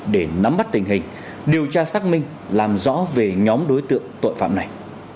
để nắm bắt tình hình điều tra xác minh làm rõ về nhóm đối tượng tội phạm này